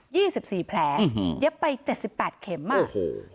ี่สิบสี่แผลอืมเย็บไปเจ็ดสิบแปดเข็มอ่ะโอ้โห